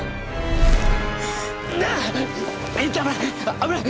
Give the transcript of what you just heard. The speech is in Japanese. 危ない！